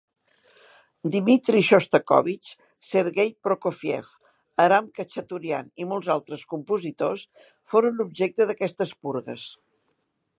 Dmitri Xostakóvitx, Serguei Prokófiev, Aram Khatxaturian i molts altres compositors foren objecte d'aquestes purgues.